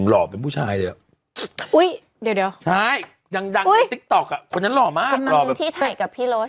หล่อเป็นผู้ชายเลยอ่ะอุ้ยเดี๋ยวเดี๋ยวใช่ยังยังในติ๊กต๊อกอ่ะคนนั้นหล่อมาก